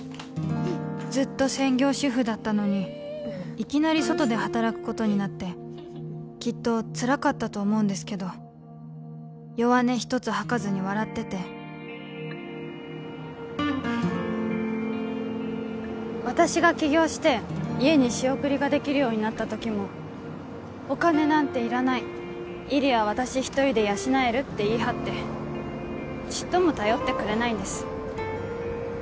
うんずっと専業主婦だったのにいきなり外で働くことになってきっとつらかったと思うんですけど弱音一つ吐かずに笑ってて私が起業して家に仕送りができるようになった時もお金なんていらない依里は私一人で養えるって言い張ってちっとも頼ってくれないんです